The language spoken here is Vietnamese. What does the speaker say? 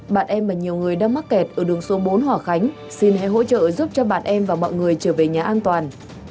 bạn em và nhiều người đang mắc kẹt ở đường số bốn hòa khánh xin hãy hỗ trợ giúp cho bạn em và mọi người trở về nhà an toàn